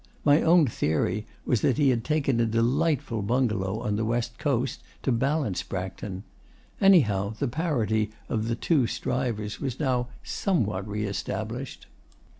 My own theory was that he had taken a delightful bungalow on the west coast, to balance Braxton. Anyhow, the parity of the two strivers was now somewhat re established.